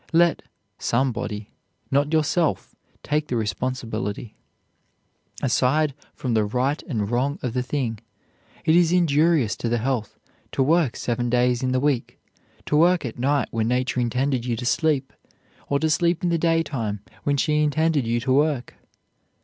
Let "somebody," not yourself, take the responsibility. Aside from the right and wrong of the thing, it is injurious to the health to work seven days in the week, to work at night when Nature intended you to sleep, or to sleep in the daytime when she intended you to work.